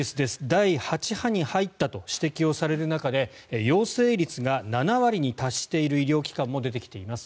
第８波に入ったと指摘される中で陽性率が７割に達している医療機関も出てきています。